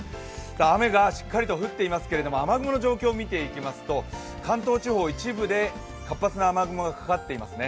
雨がしっかりと降っていますけれども雨雲の状況を見ていきますと関東地方、一部で活発な雨雲がかかっていますね。